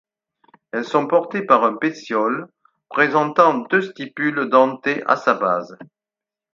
Elles sont portées par un pétiole présentant deux stipules dentées à sa base.